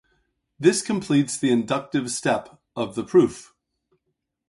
This completes the inductive step of the proof.